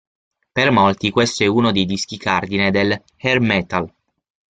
Per molti questo è uno dei dischi cardine del Hair metal.